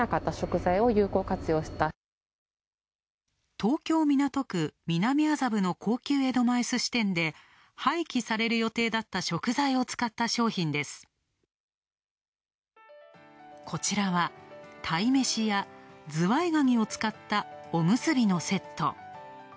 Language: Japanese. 東京港区・南麻布の高級江戸前すし店でこちらは、鯛めしやズワイガニを使ったおむすびのセット。